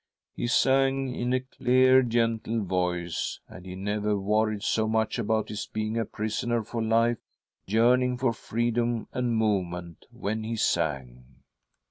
He sang in a clear, gentle voice, and he never worried so much about his being a prisoner for life, yearning for freedom and movement, when he sang.